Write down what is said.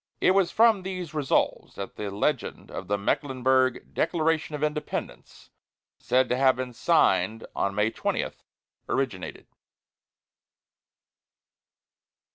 It was from these "Resolves" that the legend of the Mecklenburg "Declaration of Independence, said to have been signed May 20," originated.